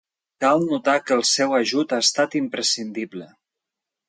Cal notar que el seu ajut ha estat imprescindible.